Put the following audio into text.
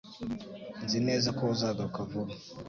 Nzi neza ko uzagaruka vuba